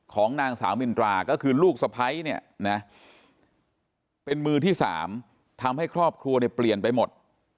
ของนางสาวมินตราก็คือลูกสะพ้ายเนี่ยนะเป็นมือที่๓ทำให้ครอบครัวเนี่ยเปลี่ยนไปหมด